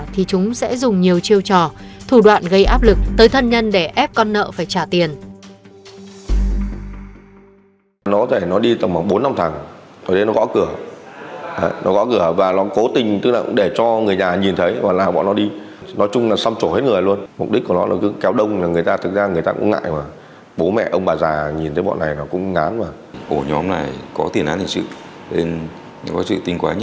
trong trường hợp người vay chậm chi trả thì chúng sẽ dùng nhiều chiêu trò thủ đoạn gây áp lực tới thân nhân để ép con nợ phải trả tiền